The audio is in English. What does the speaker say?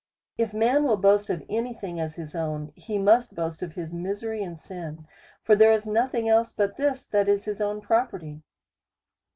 If man will boast of any thing as his own, he must boast of his misery and sin : for there is nothing else but this, that is his own property.